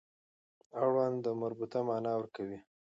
اړوند د مربوط معنا ورکوي.